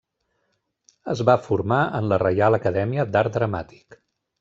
Es va formar en la Reial Acadèmia d'Art Dramàtic.